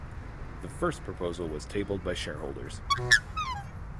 The first proposal was tabled by shareholders.